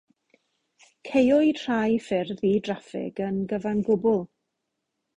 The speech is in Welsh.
Caewyd rhai ffyrdd i draffig yn gyfan gwbl.